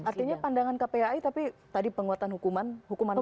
artinya pandangan kpai tapi tadi penguatan hukuman hukuman mati